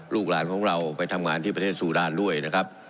ลูกหลานของเราไปทำงานที่ประเทศซูดานด้วยนะครับ